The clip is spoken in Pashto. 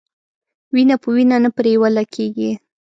وينه په وينه نه پريوله کېږي.